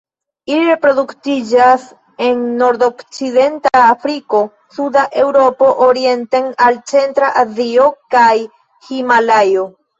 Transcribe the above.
Ili reproduktiĝas en nordokcidenta Afriko, suda Eŭropo orienten al centra Azio, kaj Himalajo.